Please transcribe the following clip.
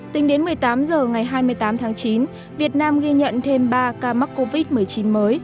tính đến một mươi tám h ngày hai mươi tám tháng chín việt nam ghi nhận thêm ba ca mắc covid một mươi chín mới